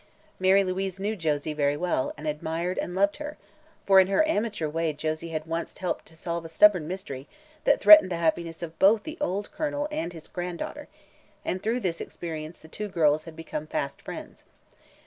Mary Louise knew Josie very well and admired and loved her, for in her amateur way Josie had once helped to solve a stubborn mystery that threatened the happiness of both the old Colonel and his granddaughter, and through this experience the two girls had become friends.